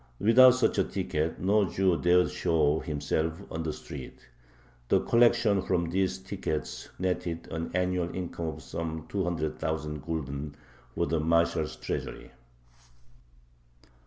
Without such a ticket no Jew dared show himself on the street. The collection from these tickets netted an annual income of some 200,000 gulden for the marshal's treasury.